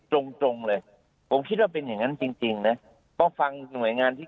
จรงเลยผมคิดว่าเป็นอย่างนั้นจริงนะก็ฟังหน่วยงานที่